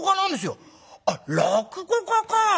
「あっ落語家か。